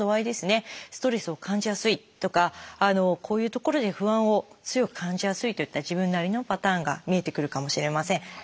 ストレスを感じやすいとかこういうところで不安を強く感じやすいといった自分なりのパターンが見えてくるかもしれません。